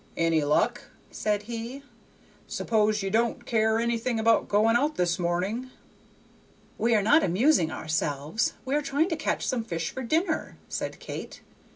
"Any luck?" said he. "S'pose ye don't care anything about going out this morning?" "We are not amusing ourselves; we are trying to catch some fish for dinner," said Kate.